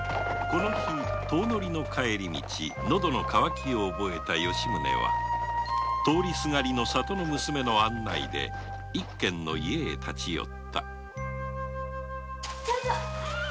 この日遠乗りの帰り道のどの渇きを覚えた吉宗は通りすがりの里の娘の案内で一軒の家へ立ち寄ったどうぞご家老様。